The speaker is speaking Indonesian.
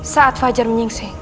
saat fajar menyingsing